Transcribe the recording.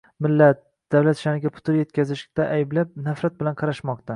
millat, davlat sha’niga putur yetkazishda ayblab, nafrat bilan qarashmoqda.